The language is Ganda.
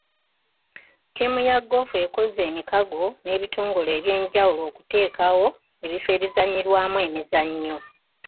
Ttiimu ya goofu ekoze emikago n'ebitongole eby'enjawulo okuteekawo ebifo ebizannyirwamu emizannyo.